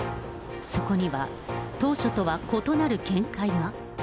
そこには、当初とは異なる見解が。